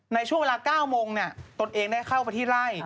ในช่วงเวลา๙โมงตนเองได้เข้าไปที่ไล่